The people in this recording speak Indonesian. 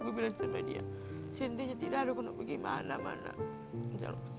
aku bilang sama dia sendirinya tidak ada yang mau pergi mana mana